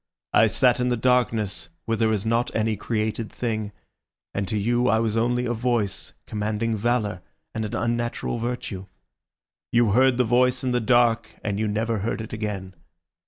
I sat in the darkness, where there is not any created thing, and to you I was only a voice commanding valour and an unnatural virtue. You heard the voice in the dark, and you never heard it again.